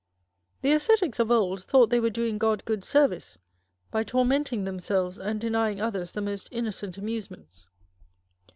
The ascetics of old thought they were doing God good service by tormenting themselves and denying others the most innocent amusements.